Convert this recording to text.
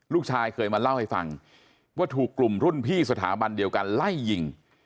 เคยมาเล่าให้ฟังว่าถูกกลุ่มรุ่นพี่สถาบันเดียวกันไล่ยิง